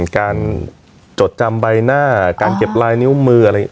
จดจำใบหน้าการเก็บลายนิ้วมืออะไรอย่างนี้